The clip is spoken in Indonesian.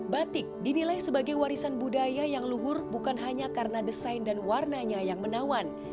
batik dinilai sebagai warisan budaya yang luhur bukan hanya karena desain dan warnanya yang menawan